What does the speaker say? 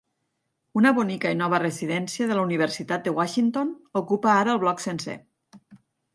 Una bonica i nova residència de la universitat de Washington ocupa ara el bloc sencer.